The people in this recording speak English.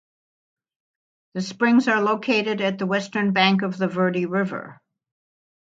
The springs are located at the western bank of the Verde River.